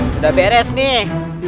sudah beres nih